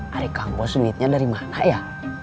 hari kang bos duitnya dari mana ya